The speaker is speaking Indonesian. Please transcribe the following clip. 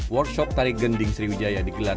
workshop tari gending sriwijaya digelar